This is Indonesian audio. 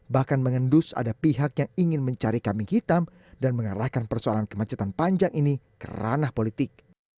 bahkan mengendus ada pihak yang ingin mencari kambing hitam dan mengarahkan persoalan kemacetan panjang ini ke ranah politik